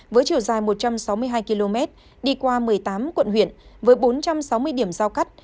với chiều dài một trăm sáu mươi hai km đi qua một mươi tám quận huyện với bốn trăm sáu mươi điểm giao cắt